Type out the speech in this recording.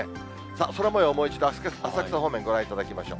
空もよう、もう一度、浅草方面、ご覧いただきましょう。